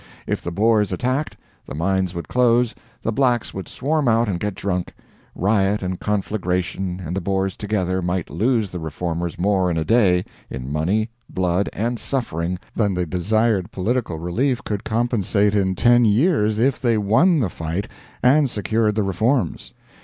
If the Boers attacked, the mines would close, the blacks would swarm out and get drunk; riot and conflagration and the Boers together might lose the Reformers more in a day, in money, blood, and suffering, than the desired political relief could compensate in ten years if they won the fight and secured the reforms.